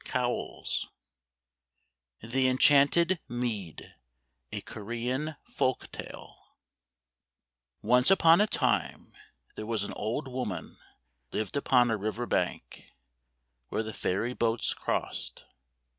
[ 54 ] THE ENCHANTED MEAD NCE upon a time there was an old woman lived upon a river bank, where the ferry boats crossed.